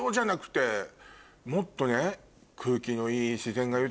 もっとね。